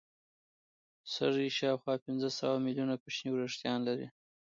سږي شاوخوا پنځه سوه ملیونه کوچني وېښتان لري.